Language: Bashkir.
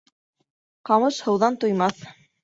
Ҡамыш һыуҙан туймаҫ.